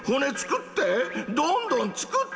どんどんつくって！